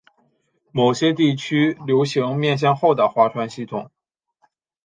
某些地区流行面向后的划船系统。